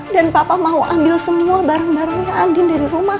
dan papa mau ambil semua barang barangnya alvin dari rumah